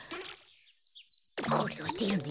これはでるね。